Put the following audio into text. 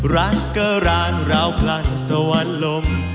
ร้านก็ร้านราวพลันสวรรค์ลม